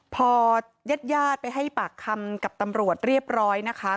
พอญาติญาติไปให้ปากคำกับตำรวจเรียบร้อยนะคะ